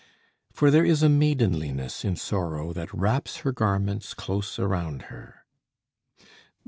For there is a maidenliness in sorrow, that wraps her garments close around her.